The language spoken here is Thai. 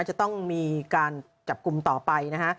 จะต้องมีการจับกลุ่มต่อไปนะฮะ